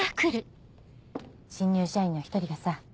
新入社員の１人がさ